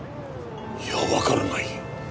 いやわからない。